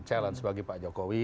challenge bagi pak jokowi